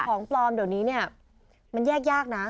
ของปลอมเดี๋ยวนี้เนี่ยมันแยกยากนะ